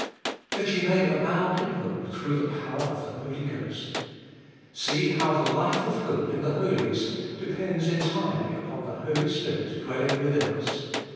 2. That ye may abound in hope, through the power of the Holy Ghost. See how the life of hope in the Holiest depends entirely upon the Holy Spirit dwelling within us.